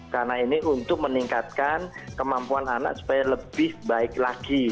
karena ini untuk meningkatkan kemampuan anak supaya lebih baik lagi